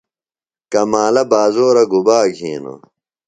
کمالہ بازورہ گُبا گِھینوۡ؟